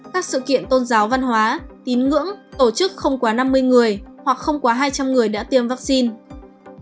các sự kiện tôn giáo văn hóa tín ngưỡng tổ chức không quá năm mươi người hoặc không quá hai trăm linh người đã tiêm vaccine